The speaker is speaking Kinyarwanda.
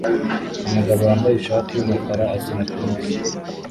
Umugabo wambaye ishati yumukara akina tennis